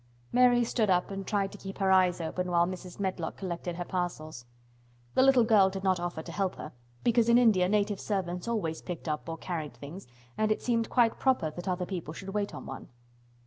Mary stood up and tried to keep her eyes open while Mrs. Medlock collected her parcels. The little girl did not offer to help her, because in India native servants always picked up or carried things and it seemed quite proper that other people should wait on one.